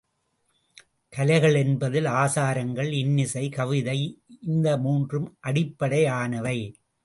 கலைகள் என்பதில் ஆசாரங்கள் இன்னிசை, கவிதை இந்த மூன்றும் அடிப்படையானவை.